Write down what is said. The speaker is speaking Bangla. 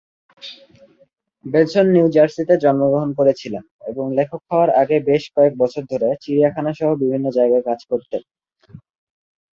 বেনসন নিউ জার্সিতে জন্মগ্রহণ করেছিলেন, এবং লেখক হওয়ার আগে বেশ কয়েক বছর ধরে চিড়িয়াখানা সহ বিভিন্ন জায়গায় কাজ করতেন।